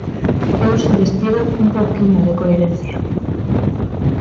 Eu só lles pido un pouquiño de coherencia.